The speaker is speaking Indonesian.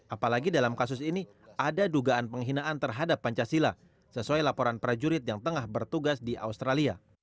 apalagi dalam kasus ini ada dugaan penghinaan terhadap pancasila sesuai laporan prajurit yang tengah bertugas di australia